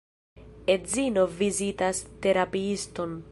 Edzino vizitas terapiiston.